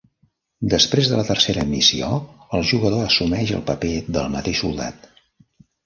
Després de la tercera missió, el jugador assumeix el paper del mateix soldat.